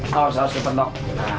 terus terus cepet dok